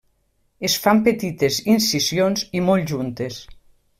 Es fan petites incisions i molt juntes.